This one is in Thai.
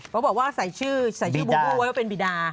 เขาบอกว่าใส่ชื่อบูบูไว้ว่าเป็นบีดา